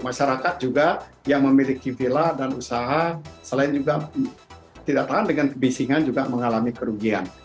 masyarakat juga yang memiliki vila dan usaha selain juga tidak tahan dengan kebisingan juga mengalami kerugian